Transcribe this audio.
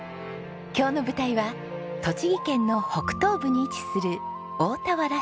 今日の舞台は栃木県の北東部に位置する大田原市。